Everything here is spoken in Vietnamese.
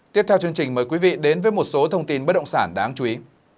tiếp theo chương trình mời quý vị đến với một số thông tin bất động sản đáng chú ý